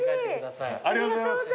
ありがとうございます。